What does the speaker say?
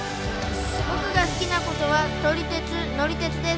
僕が好きなことは撮り鉄乗り鉄です。